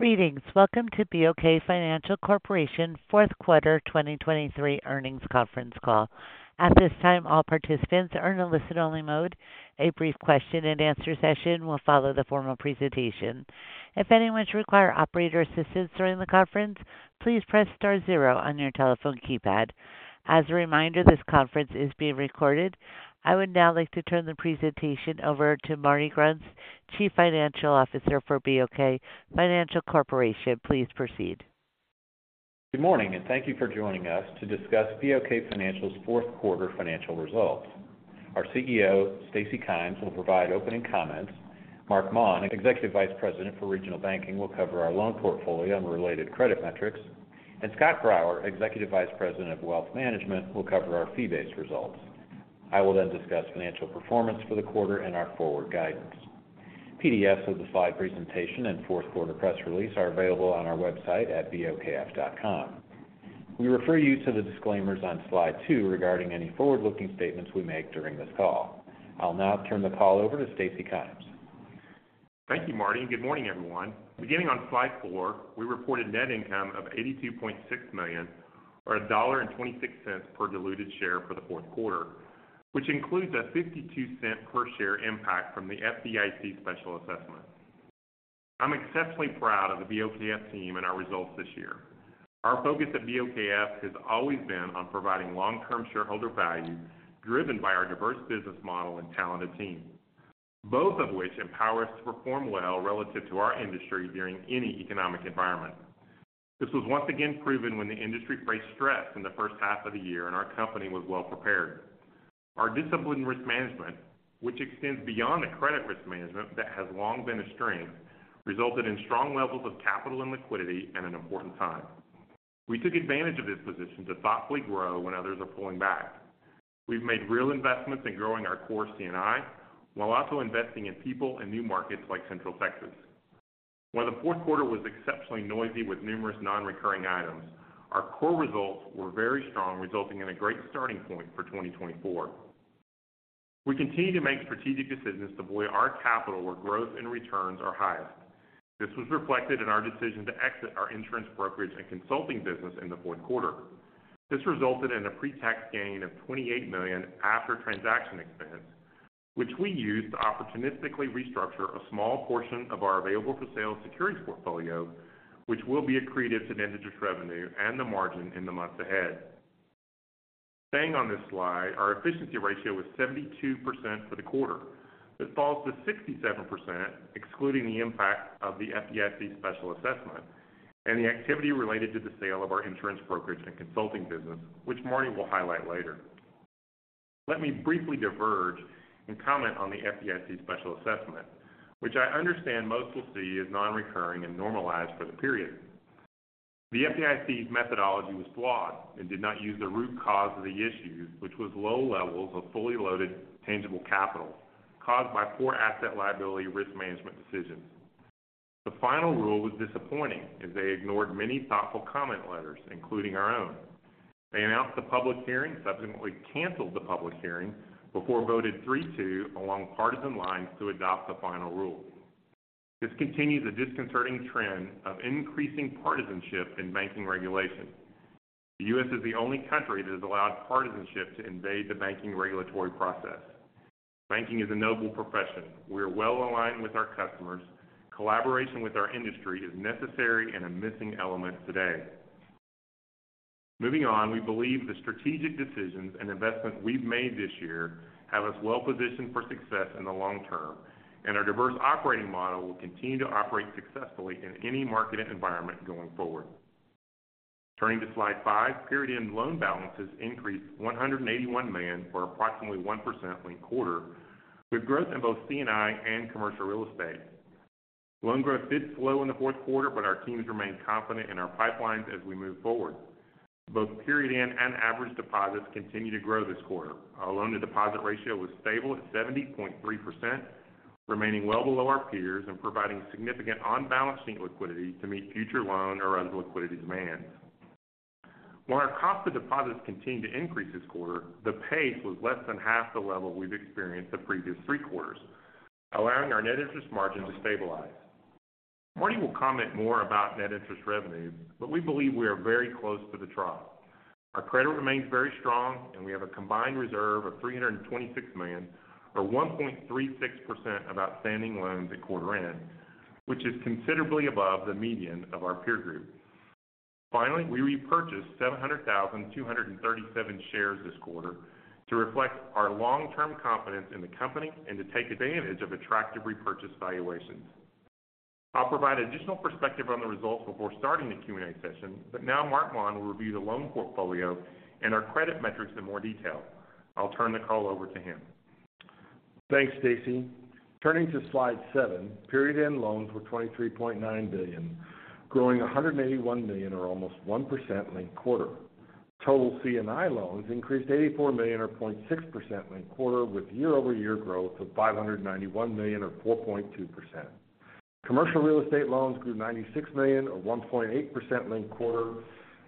Greetings. Welcome to BOK Financial Corporation Fourth Quarter 2023 Earnings Conference Call. At this time, all participants are in a listen-only mode. A brief question-and-answer session will follow the formal presentation. If anyone should require operator assistance during the conference, please press star zero on your telephone keypad. As a reminder, this conference is being recorded. I would now like to turn the presentation over to Marty Grunst, Chief Financial Officer for BOK Financial Corporation. Please proceed. Good morning, and thank you for joining us to discuss BOK Financial's fourth quarter financial results. Our CEO, Stacy Kymes, will provide opening comments. Marc Maun, Executive Vice President for Regional Banking, will cover our loan portfolio and related credit metrics. Scott Grauer, Executive Vice President of Wealth Management, will cover our fee-based results. I will then discuss financial performance for the quarter and our forward guidance. PDFs of the slide presentation and fourth quarter press release are available on our website at bokf.com. We refer you to the disclaimers on slide two regarding any forward-looking statements we make during this call. I'll now turn the call over to Stacy Kymes. Thank you, Marty, and good morning, everyone. Beginning on slide 4, we reported net income of $82.6 million or $1.26 per diluted share for the fourth quarter, which includes a $0.52 per share impact from the FDIC special assessment. I'm exceptionally proud of the BOKF team and our results this year. Our focus at BOKF has always been on providing long-term shareholder value, driven by our diverse business model and talented team, both of which empower us to perform well relative to our industry during any economic environment. This was once again proven when the industry faced stress in the first half of the year, and our company was well prepared. Our disciplined risk management, which extends beyond the credit risk management that has long been a strength, resulted in strong levels of capital and liquidity at an important time. We took advantage of this position to thoughtfully grow when others are pulling back. We've made real investments in growing our core C&I, while also investing in people and new markets like Central Texas. While the fourth quarter was exceptionally noisy with numerous non-recurring items, our core results were very strong, resulting in a great starting point for 2024. We continue to make strategic decisions to deploy our capital where growth and returns are highest. This was reflected in our decision to exit our insurance brokerage and consulting business in the fourth quarter. This resulted in a pre-tax gain of $28 million after transaction expense, which we used to opportunistically restructure a small portion of our available-for-sale securities portfolio, which will be accretive to net interest revenue and the margin in the months ahead. Staying on this slide, our efficiency ratio was 72% for the quarter. This falls to 67%, excluding the impact of the FDIC special assessment and the activity related to the sale of our insurance brokerage and consulting business, which Marty will highlight later. Let me briefly diverge and comment on the FDIC special assessment, which I understand most will see as non-recurring and normalized for the period. The FDIC's methodology was flawed and did not use the root cause of the issues, which was low levels of fully loaded tangible capital caused by poor asset liability risk management decisions. The final rule was disappointing as they ignored many thoughtful comment letters, including our own. They announced the public hearing, subsequently canceled the public hearing, before voted 3-2 along partisan lines to adopt the final rule. This continues a disconcerting trend of increasing partisanship in banking regulation. The U.S. is the only country that has allowed partisanship to invade the banking regulatory process. Banking is a noble profession. We are well aligned with our customers. Collaboration with our industry is necessary and a missing element today. Moving on, we believe the strategic decisions and investments we've made this year have us well positioned for success in the long term, and our diverse operating model will continue to operate successfully in any market environment going forward. Turning to slide 5, period-end loan balances increased $181 million, or approximately 1% linked quarter, with growth in both C&I and commercial real estate. Loan growth did slow in the fourth quarter, but our teams remain confident in our pipelines as we move forward. Both period-end and average deposits continued to grow this quarter. Our loan-to-deposit ratio was stable at 70.3%, remaining well below our peers and providing significant on-balance sheet liquidity to meet future loan or other liquidity demands. While our cost of deposits continued to increase this quarter, the pace was less than half the level we've experienced the previous three quarters, allowing our net interest margin to stabilize. Marty will comment more about net interest revenue, but we believe we are very close to the trough. Our credit remains very strong, and we have a combined reserve of $326 million, or 1.36% of outstanding loans at quarter end, which is considerably above the median of our peer group. Finally, we repurchased 700,237 shares this quarter to reflect our long-term confidence in the company and to take advantage of attractive repurchase valuations. I'll provide additional perspective on the results before starting the Q&A session, but now Marc Maun will review the loan portfolio and our credit metrics in more detail. I'll turn the call over to him. Thanks, Stacy. Turning to slide seven, period-end loans were $23.9 billion, growing $181 million, or almost 1% linked quarter. Total C&I loans increased $84 million, or 0.6% linked quarter, with year-over-year growth of $591 million or 4.2%. Commercial real estate loans grew $96 million or 1.8% linked quarter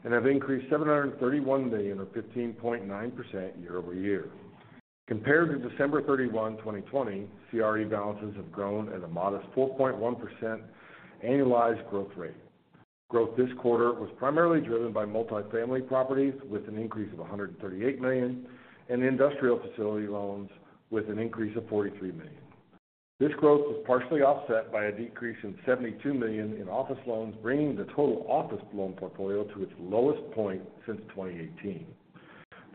and have increased $731 million or 15.9% year over year. Compared to December 31, 2020, CRE balances have grown at a modest 4.1% annualized growth rate. Growth this quarter was primarily driven by multifamily properties, with an increase of $138 million, and industrial facility loans, with an increase of $43 million. This growth was partially offset by a decrease in $72 million in office loans, bringing the total office loan portfolio to its lowest point since 2018.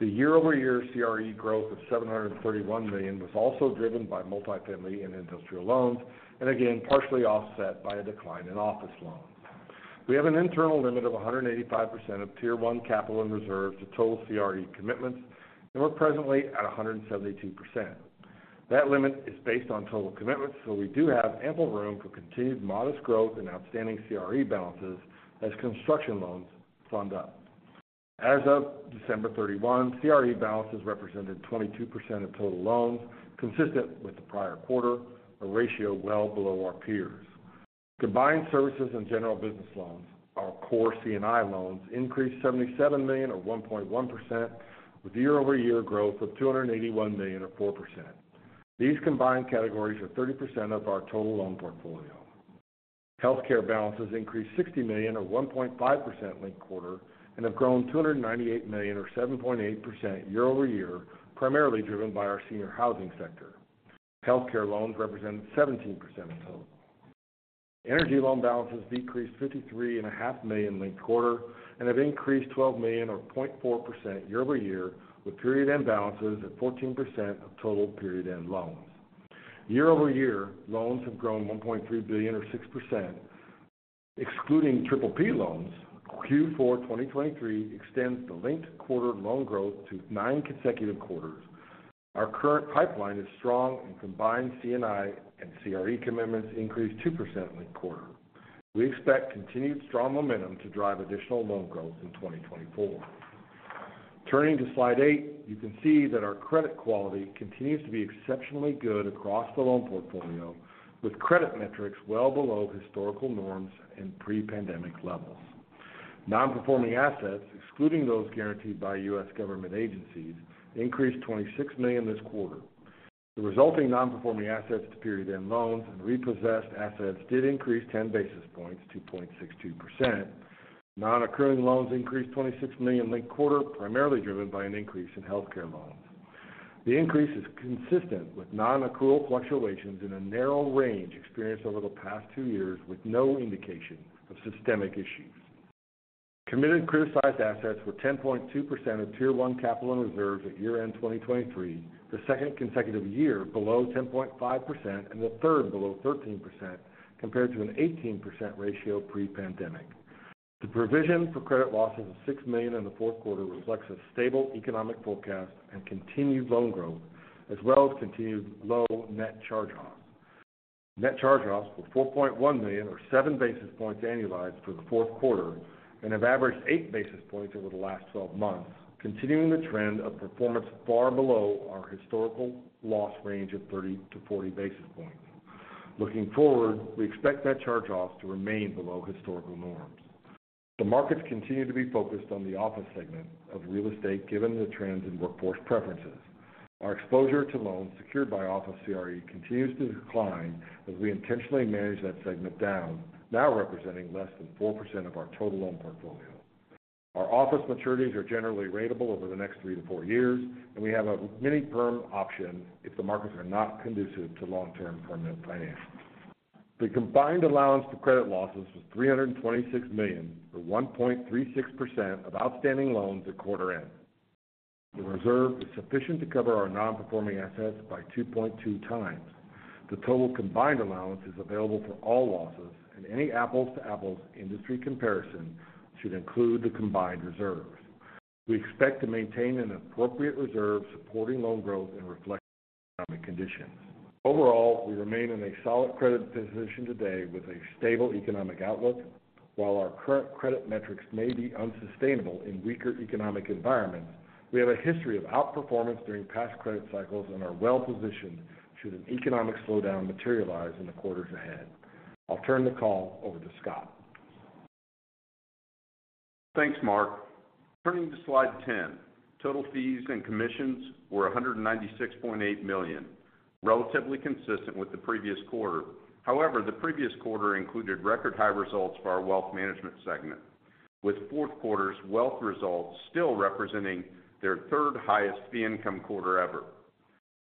The year-over-year CRE growth of $731 million was also driven by multifamily and industrial loans, and again, partially offset by a decline in office loans. We have an internal limit of 185% of Tier 1 capital and reserves to total CRE commitments, and we're presently at 172%. That limit is based on total commitments, so we do have ample room for continued modest growth in outstanding CRE balances as construction loans fund up. As of December 31, CRE balances represented 22% of total loans, consistent with the prior quarter, a ratio well below our peers. Combined services and general business loans, our core C&I loans, increased $77 million or 1.1%, with year-over-year growth of $281 million or 4%. These combined categories are 30% of our total loan portfolio. Healthcare balances increased $60 million or 1.5% linked-quarter, and have grown $298 million or 7.8% year-over-year, primarily driven by our senior housing sector. Healthcare loans represent 17% of total. Energy loan balances decreased $53.5 million linked-quarter, and have increased $12 million or 0.4% year-over-year, with period-end balances at 14% of total period-end loans. Year-over-year, loans have grown $1.3 billion or 6%. Excluding triple P loans, Q4 2023 extends the linked-quarter loan growth to 9 consecutive quarters. Our current pipeline is strong, and combined C&I and CRE commitments increased 2% linked quarter. We expect continued strong momentum to drive additional loan growth in 2024. Turning to Slide 8, you can see that our credit quality continues to be exceptionally good across the loan portfolio, with credit metrics well below historical norms and pre-pandemic levels. Nonperforming assets, excluding those guaranteed by U.S. government agencies, increased $26 million this quarter. The resulting nonperforming assets to period-end loans and repossessed assets did increase 10 basis points to 0.62%. Nonaccruing loans increased $26 million linked quarter, primarily driven by an increase in healthcare loans. The increase is consistent with nonaccrual fluctuations in a narrow range experienced over the past 2 years, with no indication of systemic issues. Committed criticized assets were 10.2% of Tier 1 capital and reserves at year-end 2023, the second consecutive year below 10.5% and the third below 13%, compared to an 18% ratio pre-pandemic. The provision for credit losses of $6 million in the fourth quarter reflects a stable economic forecast and continued loan growth, as well as continued low net charge-offs. Net charge-offs were $4.1 million, or 7 basis points annualized for the fourth quarter, and have averaged 8 basis points over the last 12 months, continuing the trend of performance far below our historical loss range of 30-40 basis points. Looking forward, we expect net charge-offs to remain below historical norms. The markets continue to be focused on the office segment of real estate, given the trends in workforce preferences. Our exposure to loans secured by office CRE continues to decline as we intentionally manage that segment down, now representing less than 4% of our total loan portfolio. Our office maturities are generally ratable over the next 3-4 years, and we have a mini-perm option if the markets are not conducive to long-term permanent financing. The combined allowance for credit losses was $326 million, or 1.36% of outstanding loans at quarter end. The reserve is sufficient to cover our nonperforming assets by 2.2 times. The total combined allowance is available for all losses, and any apples-to-apples industry comparison should include the combined reserves. We expect to maintain an appropriate reserve, supporting loan growth and reflecting economic conditions. Overall, we remain in a solid credit position today with a stable economic outlook. While our current credit metrics may be unsustainable in weaker economic environments, we have a history of outperformance during past credit cycles and are well positioned should an economic slowdown materialize in the quarters ahead. I'll turn the call over to Scott. Thanks, Marc. Turning to Slide 10, total fees and commissions were $196.8 million, relatively consistent with the previous quarter. However, the previous quarter included record-high results for our wealth management segment, with fourth quarter's wealth results still representing their third highest fee income quarter ever.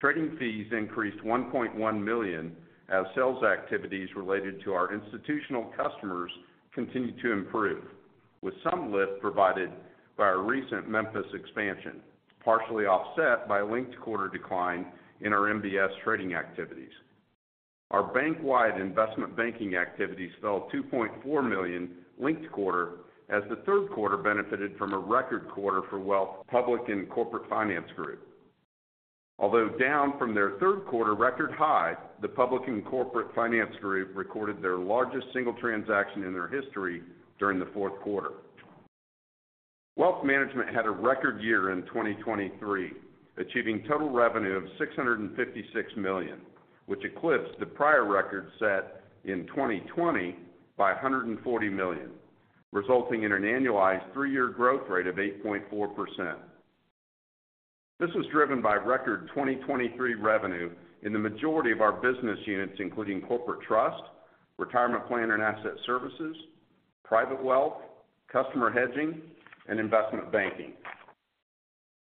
Trading fees increased $1.1 million, as sales activities related to our institutional customers continued to improve, with some lift provided by our recent Memphis expansion, partially offset by a linked-quarter decline in our MBS trading activities. Our bank-wide investment banking activities fell $2.4 million linked quarter, as the third quarter benefited from a record quarter for wealth, public, and corporate finance group. Although down from their third quarter record high, the public and corporate finance group recorded their largest single transaction in their history during the fourth quarter. Wealth management had a record year in 2023, achieving total revenue of $656 million, which eclipsed the prior record set in 2020 by $140 million... resulting in an annualized three-year growth rate of 8.4%. This was driven by record 2023 revenue in the majority of our business units, including corporate trust, retirement plan and asset services, private wealth, customer hedging, and investment banking.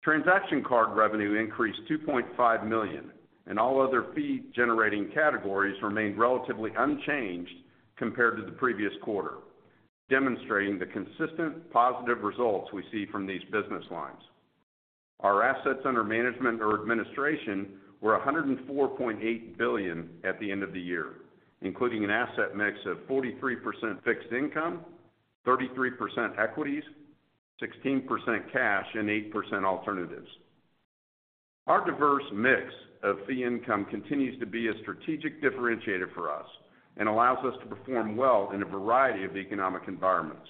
Transaction card revenue increased $2.5 million, and all other fee-generating categories remained relatively unchanged compared to the previous quarter, demonstrating the consistent positive results we see from these business lines. Our assets under management or administration were $104.8 billion at the end of the year, including an asset mix of 43% fixed income, 33% equities, 16% cash, and 8% alternatives. Our diverse mix of fee income continues to be a strategic differentiator for us and allows us to perform well in a variety of economic environments.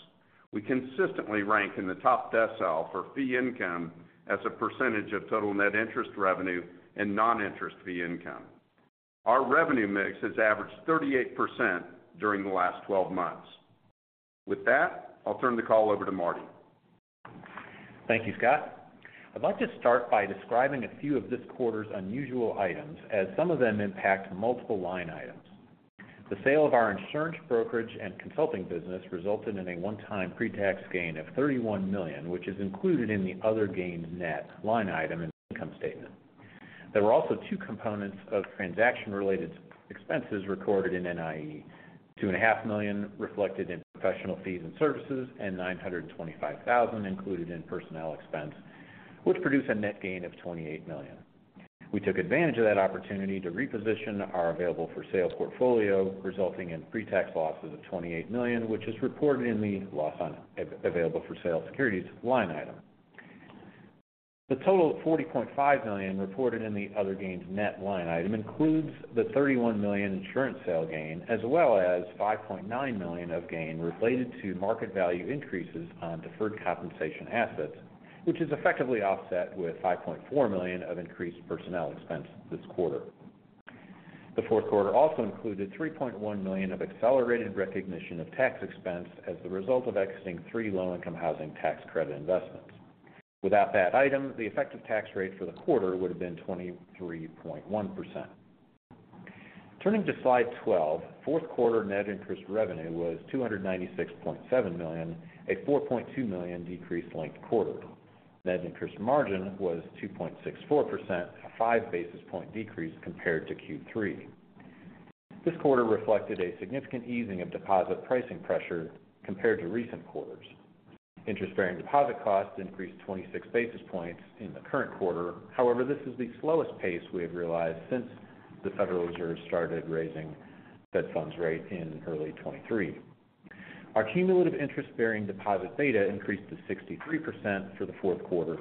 We consistently rank in the top decile for fee income as a percentage of total net interest revenue and non-interest fee income. Our revenue mix has averaged 38% during the last 12 months. With that, I'll turn the call over to Marty. Thank you, Scott. I'd like to start by describing a few of this quarter's unusual items, as some of them impact multiple line items. The sale of our insurance brokerage and consulting business resulted in a one-time pre-tax gain of $31 million, which is included in the other gain net line item in the income statement. There were also two components of transaction-related expenses recorded in NIE. $2.5 million reflected in professional fees and services, and $925,000 included in personnel expense, which produced a net gain of $28 million. We took advantage of that opportunity to reposition our available-for-sale portfolio, resulting in pre-tax losses of $28 million, which is reported in the loss on available-for-sale securities line item. The total of $40.5 million reported in the other gains net line item includes the $31 million insurance sale gain, as well as $5.9 million of gain related to market value increases on deferred compensation assets, which is effectively offset with $5.4 million of increased personnel expense this quarter. The fourth quarter also included $3.1 million of accelerated recognition of tax expense as a result of exiting three Low-Income Housing Tax Credit investments. Without that item, the effective tax rate for the quarter would have been 23.1%. Turning to Slide 12, fourth quarter net interest revenue was $296.7 million, a $4.2 million decrease linked quarter. Net interest margin was 2.64%, a five basis point decrease compared to Q3. This quarter reflected a significant easing of deposit pricing pressure compared to recent quarters. Interest-bearing deposit costs increased 26 basis points in the current quarter. However, this is the slowest pace we have realized since the Federal Reserve started raising Fed funds rate in early 2023. Our cumulative interest-bearing deposit beta increased to 63% for the fourth quarter.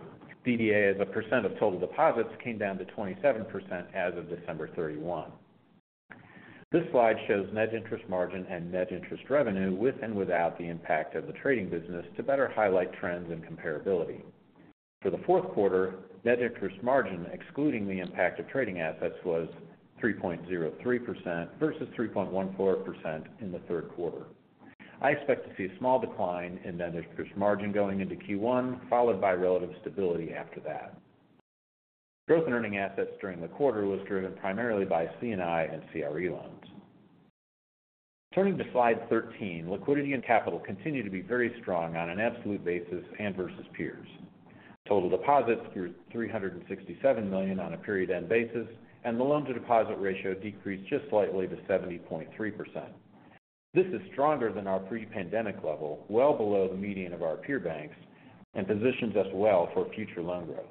DDA, as a percent of total deposits, came down to 27% as of December 31. This slide shows net interest margin and net interest revenue with and without the impact of the trading business, to better highlight trends and comparability. For the fourth quarter, net interest margin, excluding the impact of trading assets, was 3.03% versus 3.14% in the Q3. I expect to see a small decline in net interest margin going into Q1, followed by relative stability after that. Growth in earning assets during the quarter was driven primarily by C&I and CRE loans. Turning to Slide 13, liquidity and capital continue to be very strong on an absolute basis and versus peers. Total deposits grew $367 million on a period-end basis, and the loan-to-deposit ratio decreased just slightly to 70.3%. This is stronger than our pre-pandemic level, well below the median of our peer banks, and positions us well for future loan growth.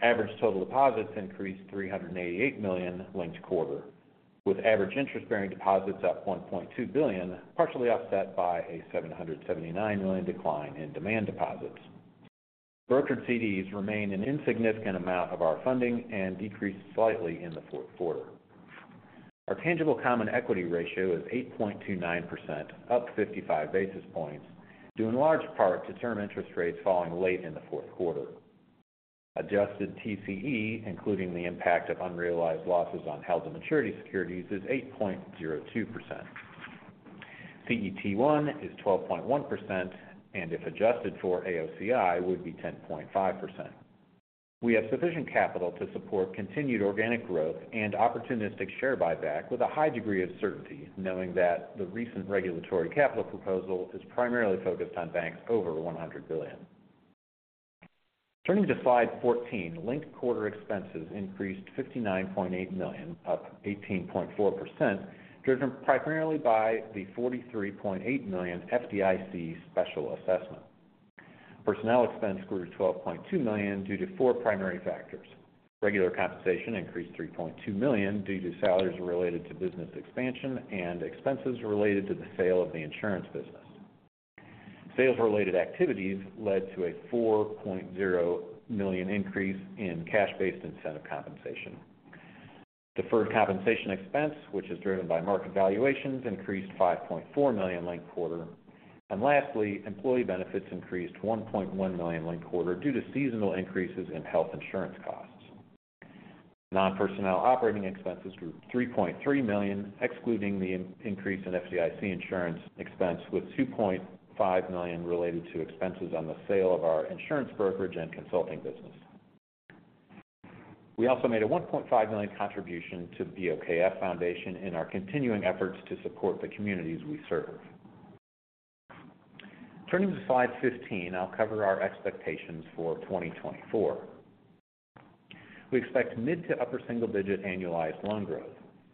Average total deposits increased $388 million linked quarter, with average interest-bearing deposits up $1.2 billion, partially offset by a $779 million decline in demand deposits. Brokered CDs remain an insignificant amount of our funding and decreased slightly in the fourth quarter. Our tangible common equity ratio is 8.29%, up 55 basis points, due in large part to term interest rates falling late in the fourth quarter. Adjusted TCE, including the impact of unrealized losses on held-to-maturity securities, is 8.02%. CET1 is 12.1%, and if adjusted for AOCI, would be 10.5%. We have sufficient capital to support continued organic growth and opportunistic share buyback with a high degree of certainty, knowing that the recent regulatory capital proposal is primarily focused on banks over $100 billion. Turning to Slide 14, linked quarter expenses increased $59.8 million, up 18.4%, driven primarily by the $43.8 million FDIC special assessment. Personnel expense grew $12.2 million due to four primary factors. Regular compensation increased $3.2 million due to salaries related to business expansion and expenses related to the sale of the insurance business. Sales-related activities led to a $4.0 million increase in cash-based incentive compensation. Deferred compensation expense, which is driven by market valuations, increased $5.4 million linked quarter. Lastly, employee benefits increased $1.1 million linked quarter due to seasonal increases in health insurance costs.... Non-personnel operating expenses were $3.3 million, excluding the increase in FDIC insurance expense, with $2.5 million related to expenses on the sale of our insurance brokerage and consulting business. We also made a $1.5 million contribution to the BOKF Foundation in our continuing efforts to support the communities we serve. Turning to slide 15, I'll cover our expectations for 2024. We expect mid- to upper-single-digit annualized loan growth.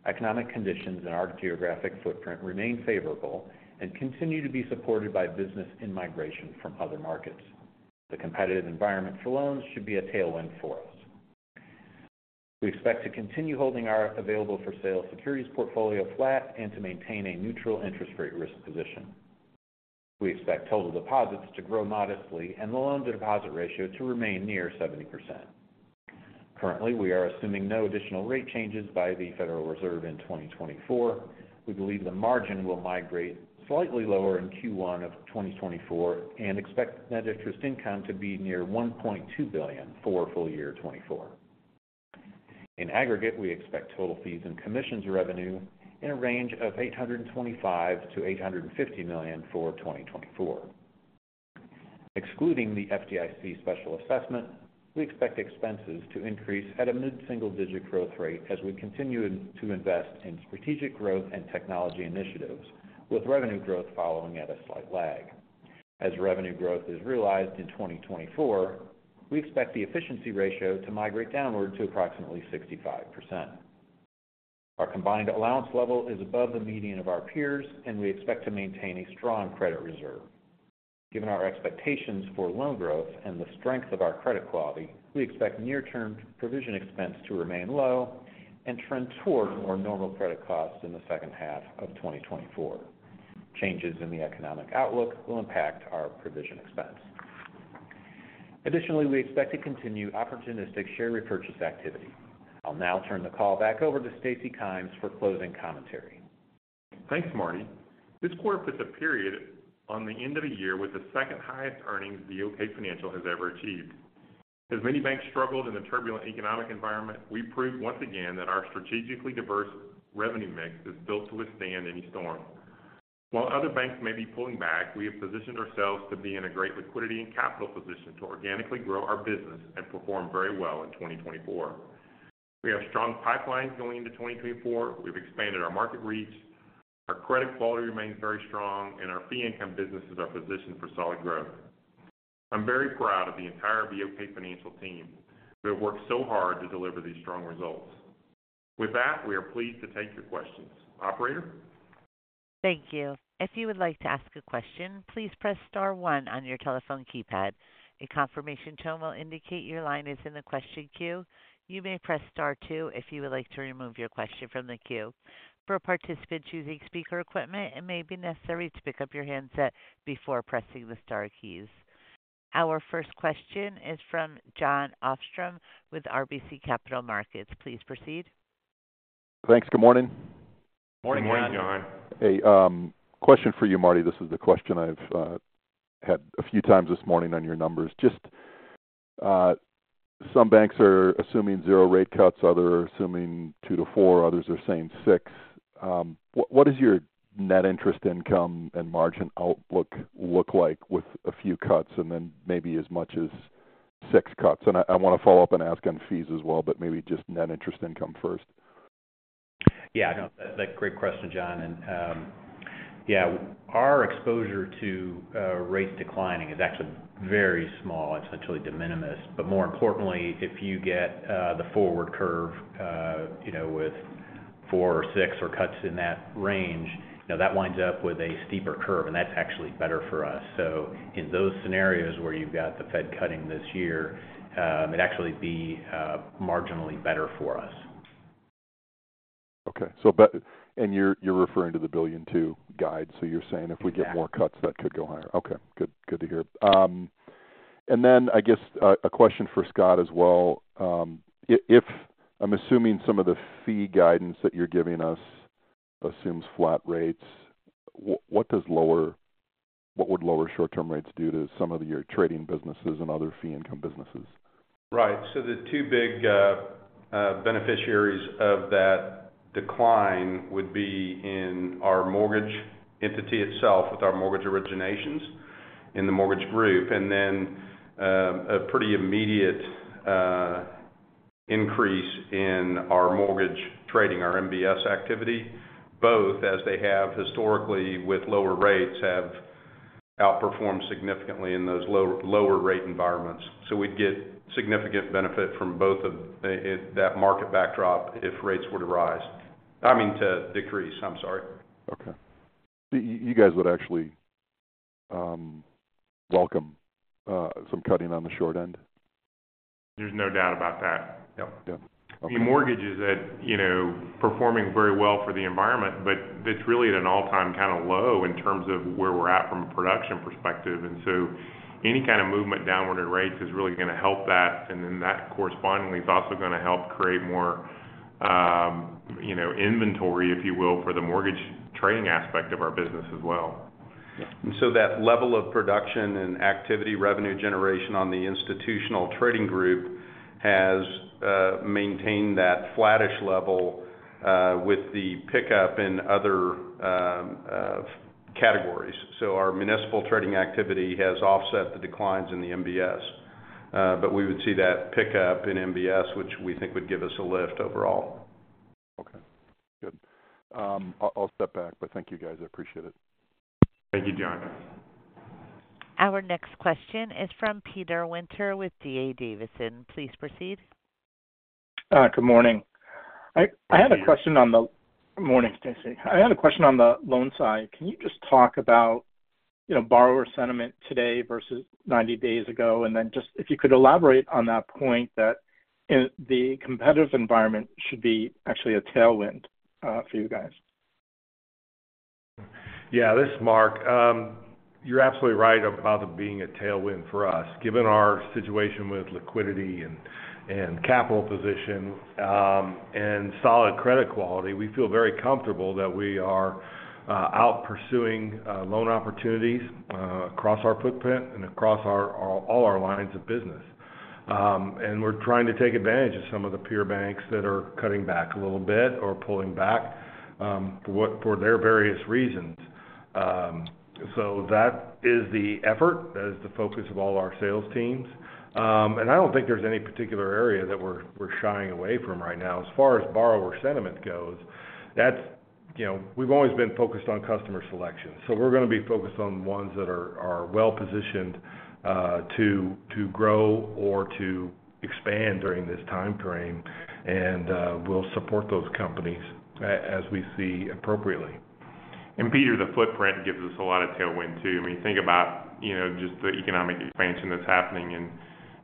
Economic conditions in our geographic footprint remain favorable and continue to be supported by business in migration from other markets. The competitive environment for loans should be a tailwind for us. We expect to continue holding our available-for-sale securities portfolio flat and to maintain a neutral interest rate risk position. We expect total deposits to grow modestly and the loan-to-deposit ratio to remain near 70%. Currently, we are assuming no additional rate changes by the Federal Reserve in 2024. We believe the margin will migrate slightly lower in Q1 of 2024, and expect net interest income to be near $1.2 billion for full year 2024. In aggregate, we expect total fees and commissions revenue in a range of $825 million-$850 million for 2024. Excluding the FDIC special assessment, we expect expenses to increase at a mid-single digit growth rate as we continue to invest in strategic growth and technology initiatives, with revenue growth following at a slight lag. As revenue growth is realized in 2024, we expect the efficiency ratio to migrate downward to approximately 65%. Our combined allowance level is above the median of our peers, and we expect to maintain a strong credit reserve. Given our expectations for loan growth and the strength of our credit quality, we expect near-term provision expense to remain low and trend toward more normal credit costs in the second half of 2024. Changes in the economic outlook will impact our provision expense. Additionally, we expect to continue opportunistic share repurchase activity. I'll now turn the call back over to Stacy Kymes for closing commentary. Thanks, Marty. This quarter puts a period on the end of a year with the second-highest earnings BOK Financial has ever achieved. As many banks struggled in a turbulent economic environment, we proved once again that our strategically diverse revenue mix is built to withstand any storm. While other banks may be pulling back, we have positioned ourselves to be in a great liquidity and capital position to organically grow our business and perform very well in 2024. We have strong pipelines going into 2024, we've expanded our market reach, our credit quality remains very strong, and our fee income businesses are positioned for solid growth. I'm very proud of the entire BOK Financial team, who have worked so hard to deliver these strong results. With that, we are pleased to take your questions. Operator? Thank you. If you would like to ask a question, please press star one on your telephone keypad. A confirmation tone will indicate your line is in the question queue. You may press star two if you would like to remove your question from the queue. For participants using speaker equipment, it may be necessary to pick up your handset before pressing the star keys. Our first question is from Jon Arfstrom with RBC Capital Markets. Please proceed. Thanks. Good morning. Good morning, John. Good morning, Jon. Hey, question for you, Marty. This is the question I've had a few times this morning on your numbers. Just, some banks are assuming zero rate cuts, others are assuming 2-4, others are saying 6. What is your net interest income and margin outlook look like with a few cuts and then maybe as much as 6 cuts? And I want to follow up and ask on fees as well, but maybe just net interest income first. Yeah, no, that's a great question, Jon. And, yeah, our exposure to rates declining is actually very small. It's actually de minimis. But more importantly, if you get the forward curve, you know, with four or six or cuts in that range, now that winds up with a steeper curve, and that's actually better for us. So in those scenarios where you've got the Fed cutting this year, it'd actually be marginally better for us. Okay. So you're, you're referring to the $1.2 billion guide. So you're saying if we get more cuts, that could go higher? Yeah. Okay, good. Good to hear. And then, I guess, a question for Scott as well. If I'm assuming some of the fee guidance that you're giving us assumes flat rates, what would lower short-term rates do to some of your trading businesses and other fee income businesses? Right. So the two big beneficiaries of that decline would be in our mortgage entity itself, with our mortgage originations in the mortgage group, and then, a pretty immediate increase in our mortgage trading, our MBS activity, both, as they have historically with lower rates, have outperformed significantly in those low rate environments. So we'd get significant benefit from both of, in that market backdrop if rates were to rise. I mean, to decrease. I'm sorry. Okay. So you guys would actually welcome some cutting on the short end? There's no doubt about that. Yep. Yep. I mean, mortgage is at, you know, performing very well for the environment, but it's really at an all-time kind of low in terms of where we're at from a production perspective. And so any kind of movement downward in rates is really going to help that, and then that correspondingly is also going to help create more, you know, inventory, if you will, for the mortgage trading aspect of our business as well. Yeah. And so that level of production and activity revenue generation on the institutional trading group has maintained that flattish level with the pickup in other categories. So our municipal trading activity has offset the declines in the MBS. But we would see that pick up in MBS, which we think would give us a lift overall. Okay, good. I'll step back, but thank you, guys. I appreciate it. Thank you, John. Our next question is from Peter Winter with D.A. Davidson. Please proceed. Good morning. I had a question on the. Good morning. Morning, Stacy. I had a question on the loan side. Can you just talk about, you know, borrower sentiment today versus 90 days ago? And then just if you could elaborate on that point, that in the competitive environment should be actually a tailwind for you guys. Yeah, this is Marc. You're absolutely right about it being a tailwind for us. Given our situation with liquidity and capital position, and solid credit quality, we feel very comfortable that we are out pursuing loan opportunities across our footprint and across all our lines of business. And we're trying to take advantage of some of the peer banks that are cutting back a little bit or pulling back for their various reasons. So that is the effort. That is the focus of all our sales teams. And I don't think there's any particular area that we're shying away from right now. As far as borrower sentiment goes, that's, you know, we've always been focused on customer selection, so we're going to be focused on ones that are well positioned to grow or to expand during this time frame. And we'll support those companies as we see appropriately. Peter, the footprint gives us a lot of tailwind too. When you think about, you know, just the economic expansion that's happening in,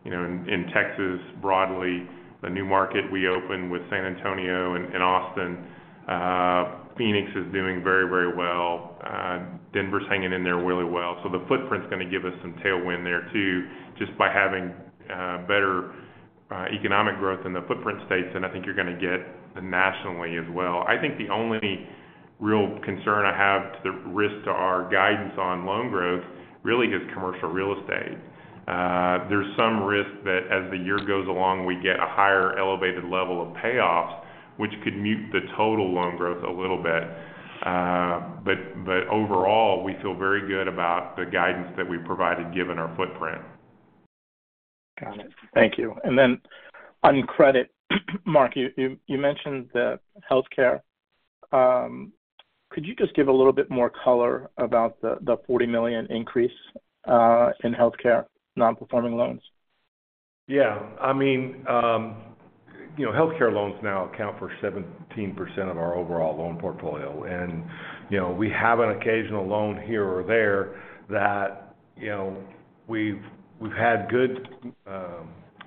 you know, in Texas, broadly, the new market we opened with San Antonio and Austin, Phoenix is doing very, very well. Denver's hanging in there really well. So the footprint is going to give us some tailwind there, too, just by having better economic growth in the footprint states, than I think you're going to get nationally as well. I think the only real concern I have to the risk to our guidance on loan growth, really is commercial real estate. There's some risk that as the year goes along, we get a higher elevated level of payoffs, which could mute the total loan growth a little bit. But overall, we feel very good about the guidance that we provided, given our footprint. Got it. Thank you. And then on credit, Marc, you mentioned the healthcare. Could you just give a little bit more color about the $40 million increase in healthcare non-performing loans? Yeah, I mean, you know, healthcare loans now account for 17% of our overall loan portfolio. And, you know, we have an occasional loan here or there that, you know, we've had good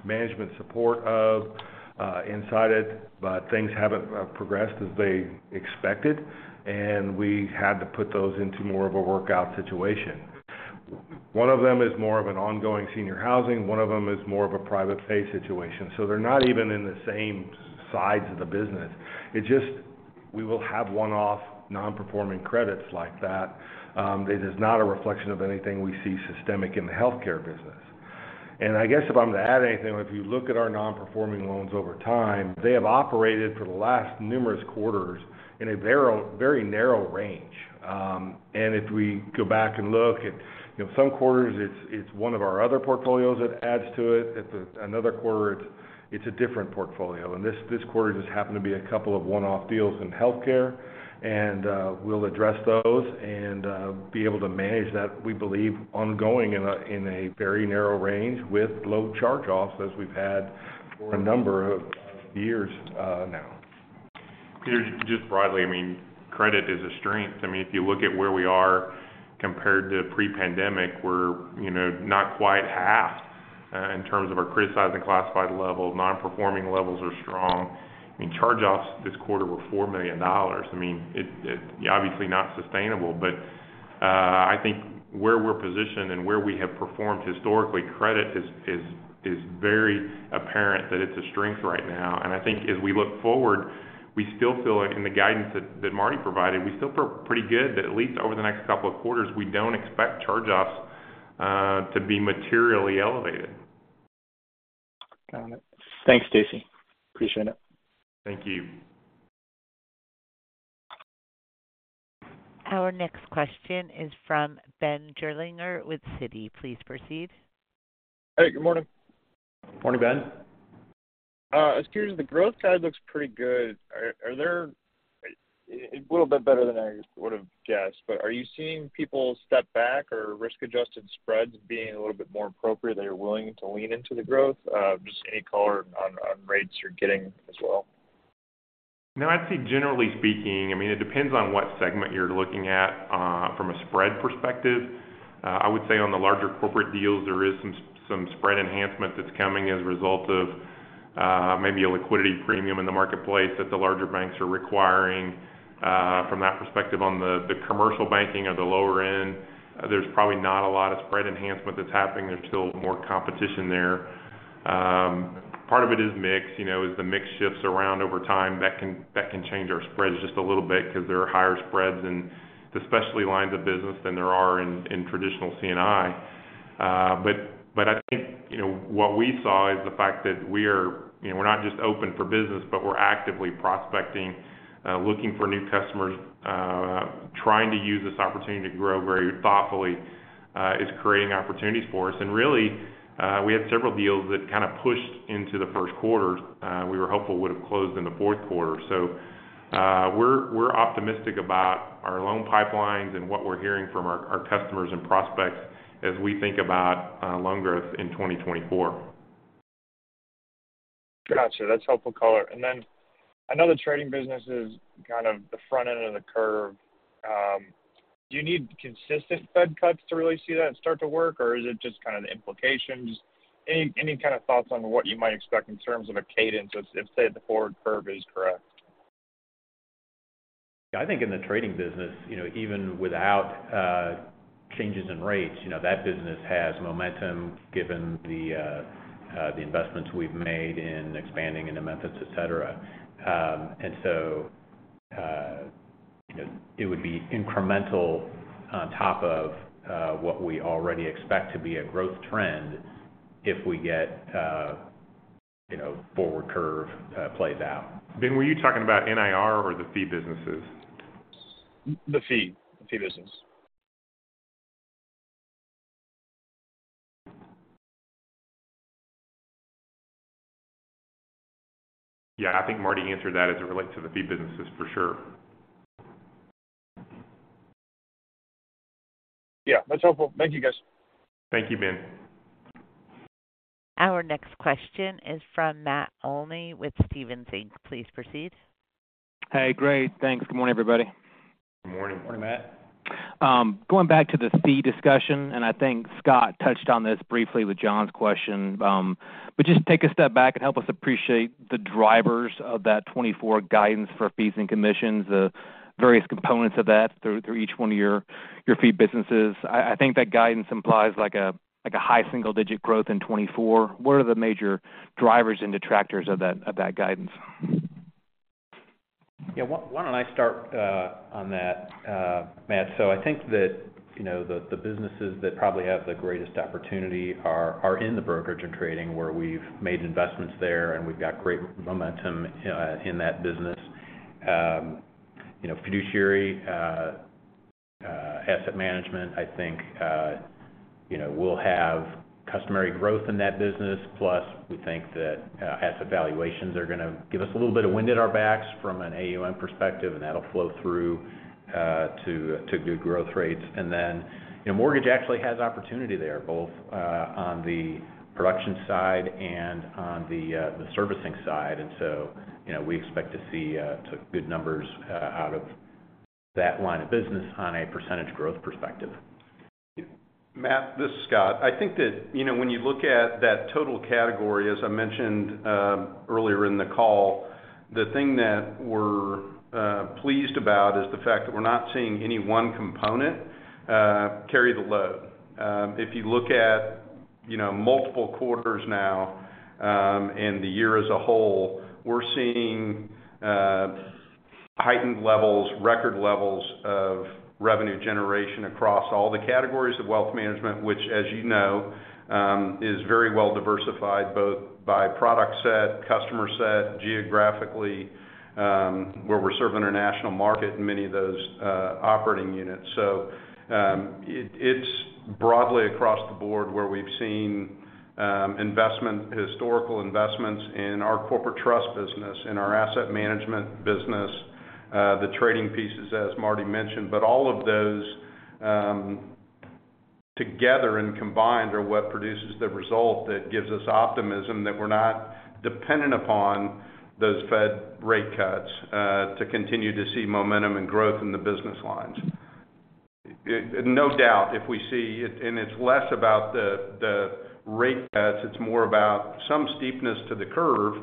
management support of inside it, but things haven't progressed as they expected, and we had to put those into more of a workout situation. One of them is more of an ongoing senior housing. One of them is more of a private pay situation, so they're not even in the same sides of the business. It just. we will have one-off, non-performing credits like that. It is not a reflection of anything we see systemic in the healthcare business. And I guess if I'm to add anything, if you look at our non-performing loans over time, they have operated for the last numerous quarters in a very, very narrow range. And if we go back and look at, you know, some quarters, it's one of our other portfolios that adds to it. At another quarter, it's a different portfolio, and this quarter just happened to be a couple of one-off deals in healthcare. And we'll address those and be able to manage that, we believe, ongoing in a very narrow range with low charge-offs as we've had for a number of years now. Just broadly, I mean, credit is a strength. I mean, if you look at where we are compared to pre-pandemic, we're, you know, not quite half in terms of our criticized and classified level. Non-performing levels are strong. I mean, charge-offs this quarter were $4 million. I mean, it's obviously not sustainable, but I think where we're positioned and where we have performed historically, credit is very apparent that it's a strength right now. And I think as we look forward, we still feel like in the guidance that Marc provided, we still feel pretty good that at least over the next couple of quarters, we don't expect charge-offs to be materially elevated. Got it. Thanks, Stacy. Appreciate it. Thank you. Our next question is from Ben Gerlinger with Citi. Please proceed. Hey, good morning. Morning, Ben. I was curious, the growth guide looks pretty good. Are there a little bit better than I would have guessed, but are you seeing people step back or risk-adjusted spreads being a little bit more appropriate, that you're willing to lean into the growth? Just any color on rates you're getting as well. No, I'd say generally speaking, I mean, it depends on what segment you're looking at from a spread perspective. I would say on the larger corporate deals, there is some spread enhancement that's coming as a result of maybe a liquidity premium in the marketplace that the larger banks are requiring. From that perspective on the, the commercial banking or the lower end, there's probably not a lot of spread enhancement that's happening. There's still more competition there. Part of it is mix. You know, as the mix shifts around over time, that can change our spreads just a little bit because there are higher spreads in the specialty lines of business than there are in traditional C&I. But I think, you know, what we saw is the fact that we're, you know, we're not just open for business, but we're actively prospecting, looking for new customers, trying to use this opportunity to grow very thoughtfully, is creating opportunities for us. And really, we had several deals that kind of pushed into the first quarter, we were hopeful would have closed in the fourth quarter. We're optimistic about our loan pipelines and what we're hearing from our customers and prospects as we think about loan growth in 2024. Gotcha. That's helpful color. And then another trading business is kind of the front end of the curve. Do you need consistent Fed cuts to really see that start to work, or is it just kind of the implications? Any kind of thoughts on what you might expect in terms of a cadence if, say, the forward curve is correct? I think in the trading business, you know, even without changes in rates, you know, that business has momentum given the investments we've made in expanding into Memphis, et cetera. And so, you know, it would be incremental on top of what we already expect to be a growth trend if we get, you know, forward curve plays out. Ben, were you talking about NIR or the fee businesses? The fee, the fee business. Yeah, I think Marty answered that as it relates to the fee businesses, for sure. Yeah, that's helpful. Thank you, guys. Thank you, Ben. Our next question is from Matt Olney with Stephens Inc. Please proceed. Hey, great. Thanks. Good morning, everybody. Good morning. Morning, Matt. Going back to the fee discussion, and I think Scott touched on this briefly with Jon's question. But just take a step back and help us appreciate the drivers of that 2024 guidance for fees and commissions, the various components of that through, through each one of your, your fee businesses. I, I think that guidance implies like a, like a high single-digit growth in 2024. What are the major drivers and detractors of that, of that guidance? Yeah, why don't I start on that, Matt? So I think that, you know, the businesses that probably have the greatest opportunity are in the brokerage and trading, where we've made investments there, and we've got great momentum in that business. You know, fiduciary asset management, I think, you know, we'll have customary growth in that business. Plus, we think that asset valuations are going to give us a little bit of wind at our backs from an AUM perspective, and that'll flow through to good growth rates. And then, you know, mortgage actually has opportunity there, both on the production side and on the servicing side. And so, you know, we expect to see good numbers out of that line of business on a percentage growth perspective. Matt, this is Scott. I think that, you know, when you look at that total category, as I mentioned earlier in the call, the thing that we're pleased about is the fact that we're not seeing any one component carry the load. If you look at, you know, multiple quarters now and the year as a whole, we're seeing heightened levels, record levels of revenue generation across all the categories of wealth management, which, as you know, is very well diversified, both by product set, customer set, geographically, where we're serving our national market in many of those operating units. So, it, it's broadly across the board where we've seen investment, historical investments in our corporate trust business, in our asset management business, the trading pieces, as Marty mentioned. But all of those, together and combined are what produces the result that gives us optimism that we're not dependent upon those Fed rate cuts, to continue to see momentum and growth in the business lines. No doubt, if we see. It's less about the, the rate cuts, it's more about some steepness to the curve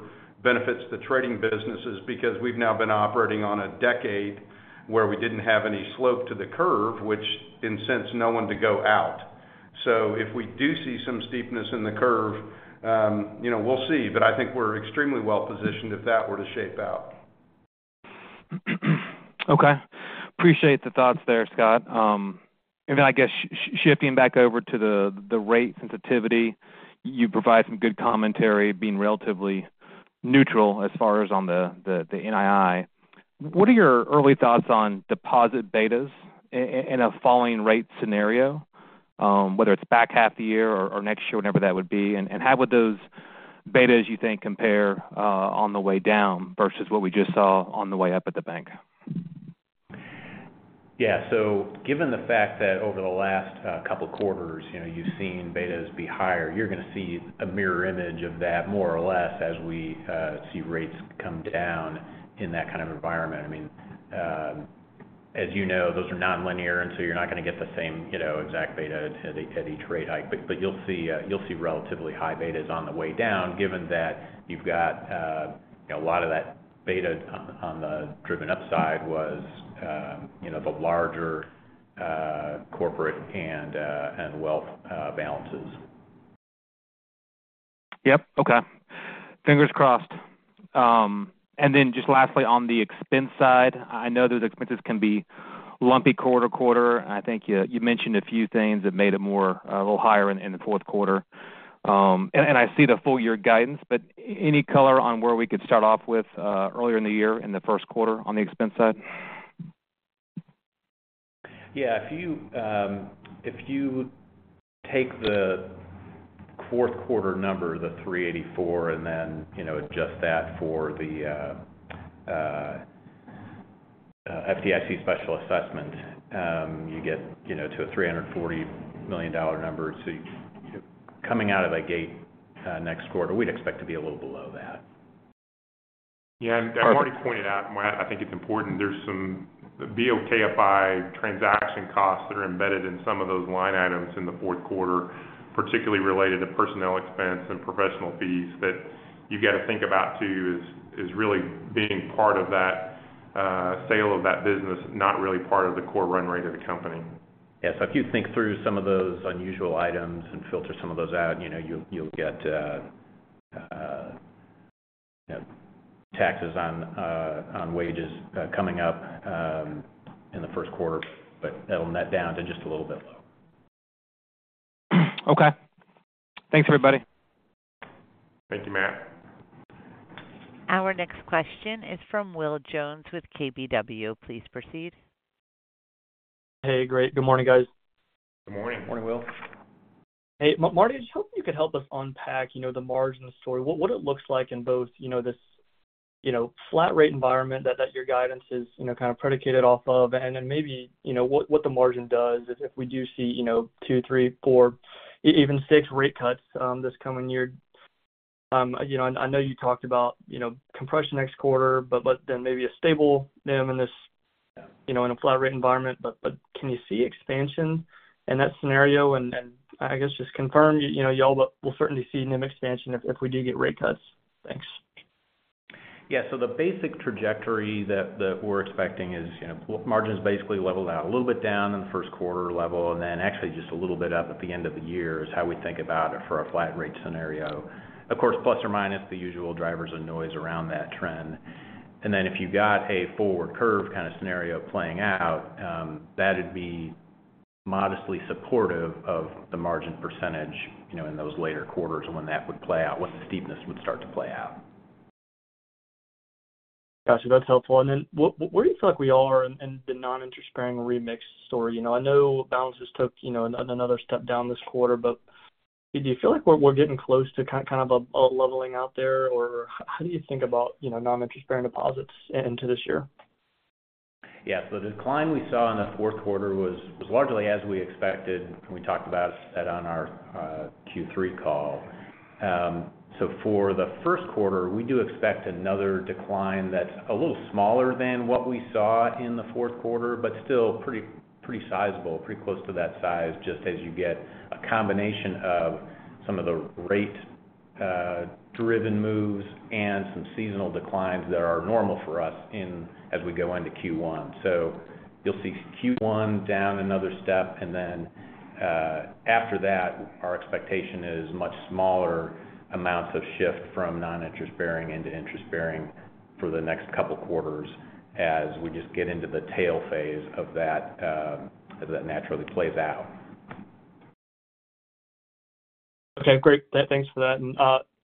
benefits the trading businesses, because we've now been operating on a decade where we didn't have any slope to the curve, which incents no one to go out. So if we do see some steepness in the curve, you know, we'll see. But I think we're extremely well-positioned if that were to shape out. Okay. Appreciate the thoughts there, Scott. And then, I guess shifting back over to the rate sensitivity, you provided some good commentary being relatively neutral as far as on the NII. What are your early thoughts on deposit betas in a falling rate scenario, whether it's back half the year or next year, whenever that would be? And how would those betas, you think, compare on the way down versus what we just saw on the way up at the bank? Yeah. So given the fact that over the last couple quarters, you know, you've seen betas be higher, you're going to see a mirror image of that, more or less, as we see rates come down in that kind of environment. I mean, as you know, those are nonlinear, and so you're not going to get the same, you know, exact beta at each rate hike. But you'll see relatively high betas on the way down, given that you've got, you know, a lot of that beta on the driven upside was, you know, the larger corporate and wealth balances. Yep. Okay. Fingers crossed. And then just lastly, on the expense side, I know those expenses can be lumpy quarter to quarter. I think you, you mentioned a few things that made it more, a little higher in the fourth quarter. And I see the full year guidance, but any color on where we could start off with, earlier in the year, in the Q1 on the expense side? Yeah, if you take the Q4 number, the $384, and then, you know, adjust that for the FDIC special assessment, you get, you know, to a $340 million number. So coming out of the gate, next quarter, we'd expect to be a little below that. Yeah, and Marty pointed out, and I think it's important, there's some BOKF transaction costs that are embedded in some of those line items in the Q4, particularly related to personnel expense and professional fees, that you've got to think about too, is really being part of that sale of that business, not really part of the core run rate of the company. Yes. So if you think through some of those unusual items and filter some of those out, you know, you'll get taxes on wages coming up in the Q1, but that'll net down to just a little bit low. Okay. Thanks, everybody. Thank you, Matt. Our next question is from Will Jones with KBW. Please proceed. Hey, great. Good morning, guys. Good morning. Morning, Will. Hey, Marty, I was hoping you could help us unpack, you know, the margin story. What it looks like in both, you know, this, you know, flat rate environment that your guidance is, you know, kind of predicated off of? And then maybe, you know, what the margin does if we do see, you know, 2, 3, 4, even 6 rate cuts this coming year. You know, and I know you talked about, you know, compression next quarter, but then maybe a stable NIM in this, you know, in a flat rate environment. But can you see expansion in that scenario? And I guess just confirm, you know, you all will certainly see NIM expansion if we do get rate cuts. Thanks. Yeah. So the basic trajectory that we're expecting is, you know, margins basically level out a little bit down in the Q1 level, and then actually just a little bit up at the end of the year, is how we think about it for a flat rate scenario. Of course, plus or minus the usual drivers of noise around that trend. And then if you've got a forward curve kind of scenario playing out, that'd be modestly supportive of the margin percentage, you know, in those later quarters and when that would play out, what the steepness would start to play out. Got you. That's helpful. And then where do you feel like we are in the non-interest-bearing remix story? You know, I know balances took, you know, another step down this quarter, but do you feel like we're getting close to kind of a leveling out there, or how do you think about, you know, non-interest-bearing deposits into this year? Yeah. So the decline we saw in the Q4 was largely as we expected, and we talked about that on our Q3 call. So for the Q1, we do expect another decline that's a little smaller than what we saw in the Q4, but still pretty, pretty sizable, pretty close to that size, just as you get a combination of some of the rate driven moves and some seasonal declines that are normal for us in as we go into Q1. So you'll see Q1 down another step, and then, after that, our expectation is much smaller amounts of shift from non-interest bearing into interest bearing for the next couple quarters as we just get into the tail phase of that, as that naturally plays out. Okay, great. Thanks for that.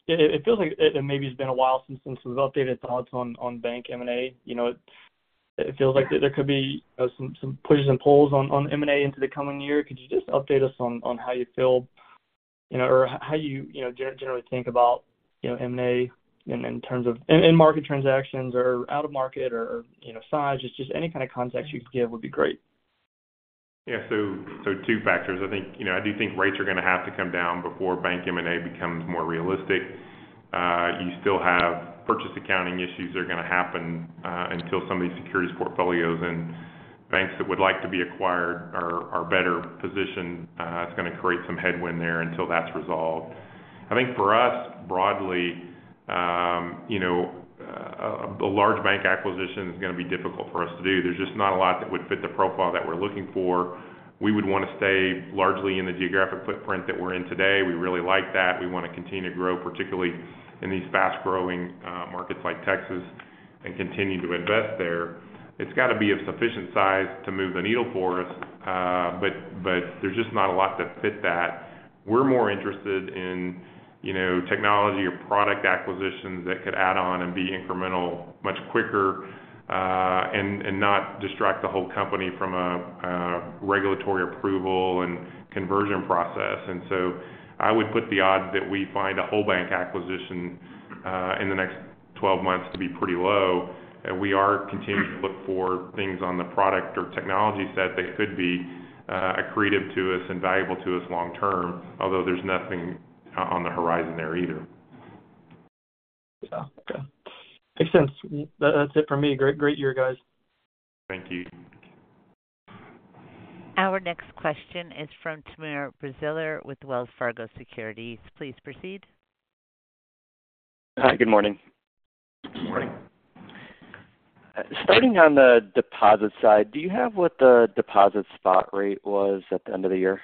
It feels like maybe it's been a while since we've updated thoughts on bank M&A. You know, it feels like there could be some pushes and pulls on M&A into the coming year. Could you just update us on how you feel, you know, or how you generally think about, you know, M&A in terms of in-market transactions or out-of-market or, you know, size? Just any kind of context you could give would be great. Yeah. So two factors. I think, you know, I do think rates are going to have to come down before bank M&A becomes more realistic. You still have purchase accounting issues that are going to happen until some of these securities portfolios and banks that would like to be acquired are better positioned. It's going to create some headwind there until that's resolved. I think for us, broadly, you know, a large bank acquisition is going to be difficult for us to do. There's just not a lot that would fit the profile that we're looking for. We would want to stay largely in the geographic footprint that we're in today. We really like that. We want to continue to grow, particularly in these fast-growing markets like Texas, and continue to invest there. It's got to be of sufficient size to move the needle for us, but there's just not a lot that fit that. We're more interested in, you know, technology or product acquisitions that could add on and be incremental much quicker, and not distract the whole company from a regulatory approval and conversion process. And so I would put the odds that we find a whole bank acquisition in the next 12 months to be pretty low. And we are continuing to look for things on the product or technology set that could be accretive to us and valuable to us long term, although there's nothing on the horizon there either. So, okay, makes sense. That's it for me. Great, great year, guys. Thank you. Our next question is from Timur Braziller with Wells Fargo Securities. Please proceed. Hi, good morning. Good morning. Starting on the deposit side, do you have what the deposit spot rate was at the end of the year?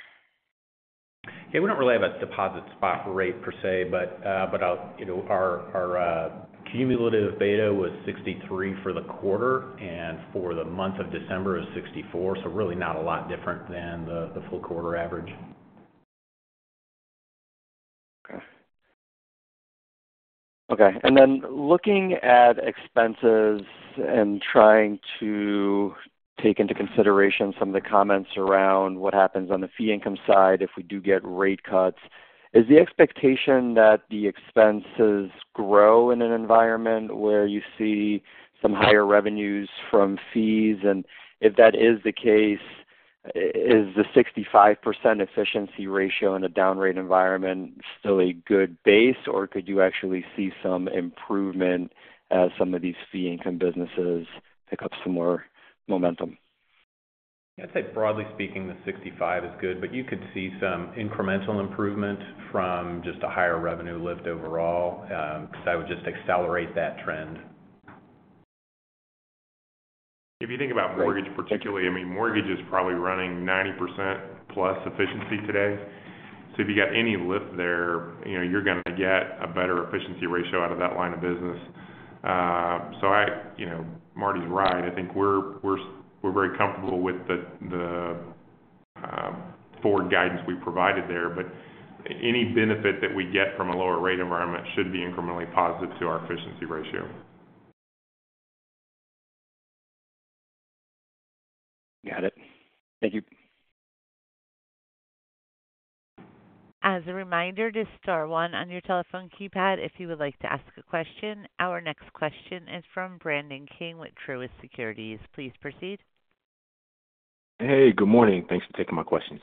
Yeah, we don't really have a deposit spot rate per se, but I'll, you know, our cumulative beta was 63 for the quarter, and for the month of December is 64. So really not a lot different than the full quarter average. Okay and then looking at expenses and trying to take into consideration some of the comments around what happens on the fee income side if we do get rate cuts, is the expectation that the expenses grow in an environment where you see some higher revenues from fees? And if that is the case, is the 65% efficiency ratio in a down rate environment still a good base, or could you actually see some improvement as some of these fee income businesses pick up some more momentum? I'd say broadly speaking, the 65 is good, but you could see some incremental improvement from just a higher revenue lift overall, because that would just accelerate that trend. If you think about mortgage particularly, I mean, mortgage is probably running 90%+ efficiency today. So if you got any lift there, you know you're going to get a better efficiency ratio out of that line of business. So I you know, Marty's right. I think we're very comfortable with the forward guidance we provided there. But any benefit that we get from a lower rate environment should be incrementally positive to our efficiency ratio. Got it. Thank you. As a reminder, just star one on your telephone keypad if you would like to ask a question. Our next question is from Brandon King with Truist Securities. Please proceed. Hey, good morning. Thanks for taking my questions.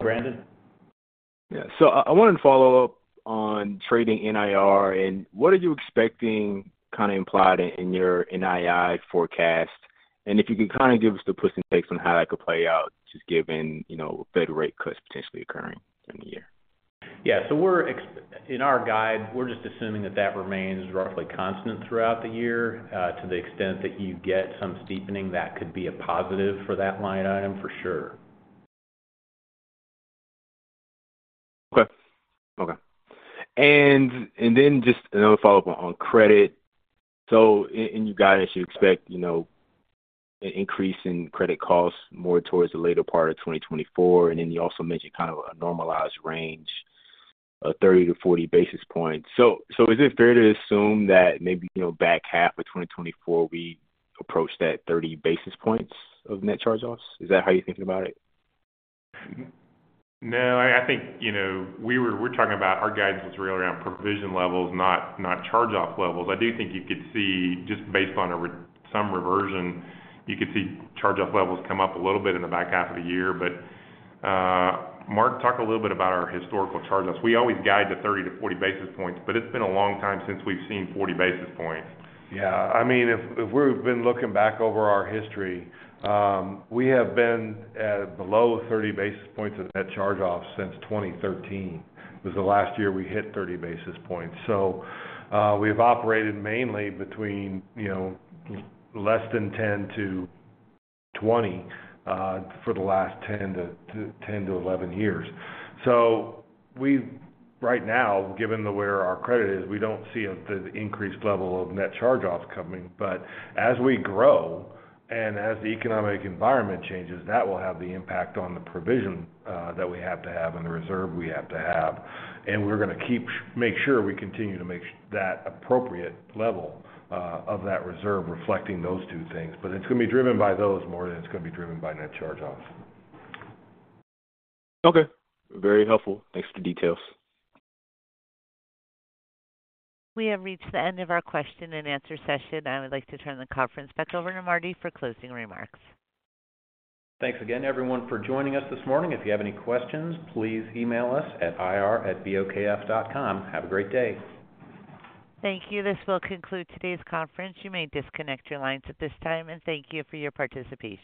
Brandon? Yeah. So I, I wanted to follow up on trading NIR and what are you expecting kind of implied in your NII forecast? And if you can kind of give us the plus and take on how that could play out, just given, you know, Fed rate cuts potentially occurring during the year. Yeah. So in our guide, we're just assuming that that remains roughly constant throughout the year. To the extent that you get some steepening, that could be a positive for that line item, for sure. Okay. And then just another follow-up on credit. So, and you guys expect, you know, an increase in credit costs more towards the later part of 2024, and then you also mentioned kind of a normalized range of 30-40 basis points. So is it fair to assume that maybe, you know, back half of 2024, we approach that 30 basis points of net charge-offs? Is that how you're thinking about it? No, I think, you know, we're talking about our guidance is really around provision levels, not, not charge-off levels. I do think you could see, just based on some reversion, you could see charge-off levels come up a little bit in the back half of the year. But, Marc, talk a little bit about our historical charge-offs. We always guide to 30-40 basis points, but it's been a long time since we've seen 40 basis points. Yeah. I mean, if we've been looking back over our history, we have been at below 30 basis points of net charge-offs since 2013. It was the last year we hit 30 basis points. So, we've operated mainly between, you know, less than 10 to 20, for the last 10-11 years. So we've, right now, given the where our credit is, we don't see an increased level of net charge-offs coming. But as we grow and as the economic environment changes, that will have the impact on the provision, that we have to have and the reserve we have to have. And we're going to keep... make sure we continue to make that appropriate level, of that reserve, reflecting those two things. But it's going to be driven by those more than it's going to be driven by net charge-offs. Okay. Very helpful. Thanks for the details. We have reached the end of our question-and-answer session. I would like to turn the conference back over to Marty for closing remarks. Thanks again, everyone, for joining us this morning. If you have any questions, please email us at ir@bokf.com. Have a great day! Thank you. This will conclude today's conference. You may disconnect your lines at this time, and thank you for your participation.